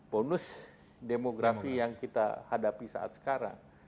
bonus demografi yang kita hadapi saat sekarang